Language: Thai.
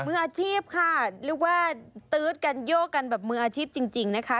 มืออาชีพค่ะเรียกว่าตื๊ดกันโยกกันแบบมืออาชีพจริงนะคะ